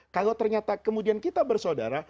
kalau ternyata kemudian kita bersaudara